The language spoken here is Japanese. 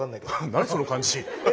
何その感じ。